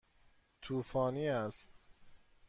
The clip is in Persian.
طوفانی است.